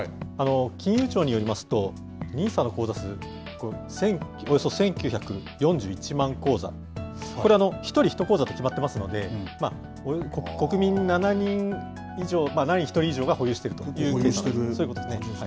金融庁によりますと、ＮＩＳＡの口座数、およそ１９４１万口座、これ、１人１口座と決まってますので、国民７人に１人以上が保有しているという、そういうことですね。